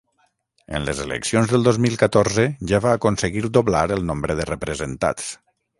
En les eleccions del dos mil catorze ja va aconseguir doblar el nombre de representats.